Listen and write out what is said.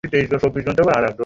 আজকাল ওর নামই নেও না।